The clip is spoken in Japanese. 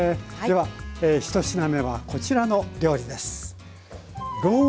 では１品目はこちらの料理です。